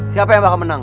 siapa yang bakal menang